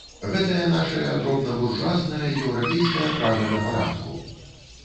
Гэтая нашая дробнабуржуазная еўрапейская прага да парадку.